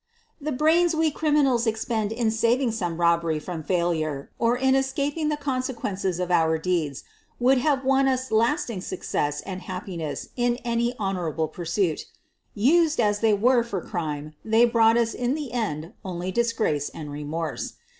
The brains we criminals expended in saving some robbery from failure or in escaping the consequences of our deeds would have won us lasting success and happiness in any honorable pursuit — used, as they were, for crime, they brought us in the end only daa 226 SOPHIE LYONS grace and remorse.